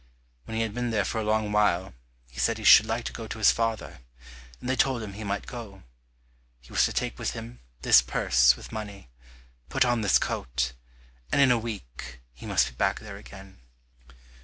When he had been there for a long while he said he should like to go to his father, and they told him he might go. He was to take with him this purse with money, put on this coat, and in a week he must be back there again.